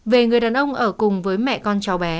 về người đàn ông ở cùng với mẹ con cháu bé